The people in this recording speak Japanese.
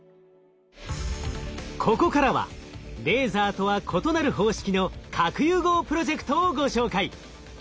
ここからはレーザーとは異なる方式の核融合プロジェクトをご紹介。